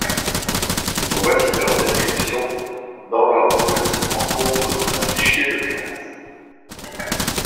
Voici leur description dans l'ordre où elles se rencontrent dans un fichier de classe.